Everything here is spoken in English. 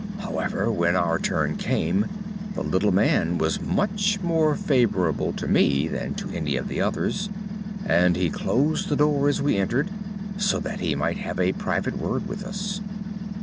However, when our turn came the little man was much more favourable to me than to any of the others, and he closed the door as we entered, so that he might have a private word with us.